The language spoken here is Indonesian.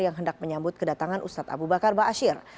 yang hendak menyambut kedatangan ustadz abu bakar bashir